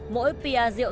mỗi pr rượu